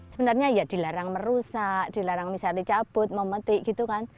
sebenarnya ya dilarang merusak dilarang misalnya cabut memetik gitu kan